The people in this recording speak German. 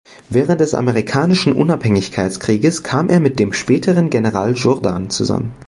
Während des Amerikanischen Unabhängigkeitskrieges kam er mit dem späteren General Jourdan zusammen.